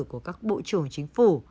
của các bộ chủ chính phủ